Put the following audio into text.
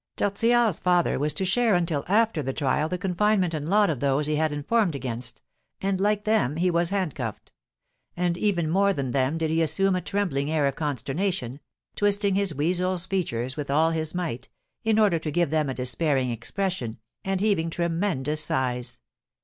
Tortillard's father was to share until after trial the confinement and lot of those he had informed against, and, like them, he was handcuffed; and even more than them did he assume a trembling air of consternation, twisting his weasel's features with all his might, in order to give them a despairing expression, and heaving tremendous sighs.